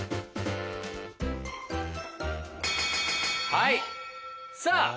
はいさぁ。